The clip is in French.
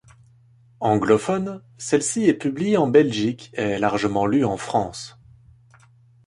Anglophone, celle-ci est publiée en Belgique et largement lue en France.